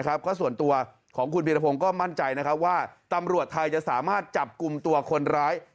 ก็ส่วนตัวของคุณพีรพงศ์ก็มั่นใจนะครับว่าตำรวจไทยจะสามารถจับกลุ่มตัวคนร้าย